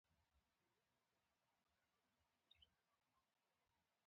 ـ د خوشې کېناستو نه د کرتو زدولو ښه دي.